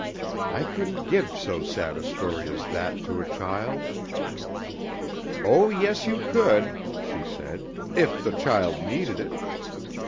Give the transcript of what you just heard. I couldn't give so sad a story as that to a child." "Oh, yes, you could," she said, "if the child needed it.